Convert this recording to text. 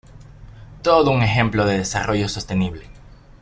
Todo un ejemplo de desarrollo sostenible.